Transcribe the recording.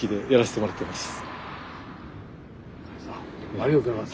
ありがとうございます。